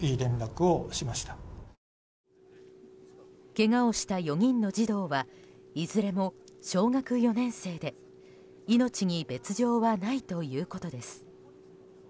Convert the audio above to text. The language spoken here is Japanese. けがをした４人の児童はいずれも小学４年生で命に別条はないということです。